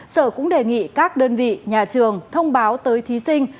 sở cũng đề nghị các đơn vị nhà trường thông báo tới thí sinh